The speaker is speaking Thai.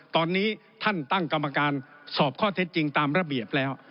ตอนนี้ท่านตั้งกรรมการสอบข้อเท็จจริงตามระเบียบแล้ว